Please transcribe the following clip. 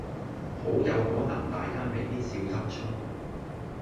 好有可能大家未必笑得出